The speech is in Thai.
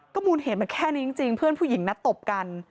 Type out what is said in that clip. มูลเหตุมันแค่นี้จริงเพื่อนผู้หญิงนัดตบกัน